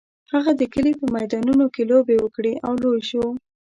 هغه د کلي په میدانونو کې لوبې وکړې او لوی شو.